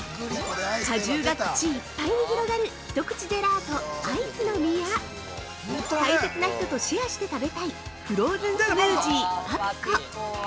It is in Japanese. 果汁が口いっぱいに広がる一口ジェラード・アイスの実や大切な人とシェアして食べたいフローズンスムージー、パピコ。